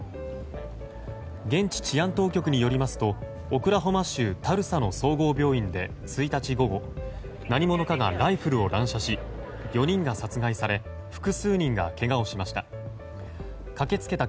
現地治安当局によりますとオクラホマ州タルサの総合病院で１日午後何者かがライフルを乱射し４人が殺害され複数人がけがをしました。